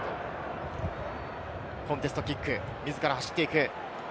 コンテストキック、自ら走っていく。